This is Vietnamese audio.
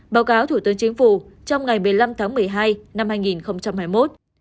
báo cáo thủ tướng chính phủ trong ngày một mươi năm tháng một mươi hai năm hai nghìn hai mươi một